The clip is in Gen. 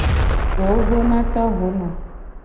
Gogo na tohono.